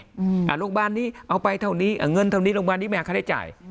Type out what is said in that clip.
อ่าโรงพยาบาลนี้เอาไปเท่านี้เงินเท่านี้โรงพยาบาลนี้ไม่เอาใครได้จ่าย